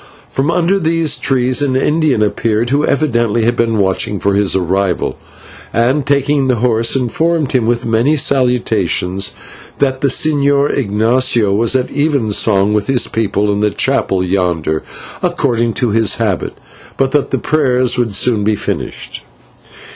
From under these trees an Indian appeared, who evidently had been watching for his arrival, and, taking the horse, informed him, with many salutations, that the Señor Ignatio was at even song with his people in the chapel yonder, according to his habit, but that the prayers would soon be finished.